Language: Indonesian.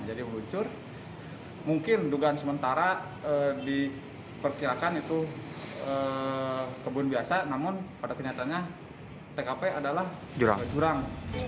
jadi meluncur mungkin dugaan sementara diperkirakan itu kebun biasa namun pada kenyataannya tkp adalah jurang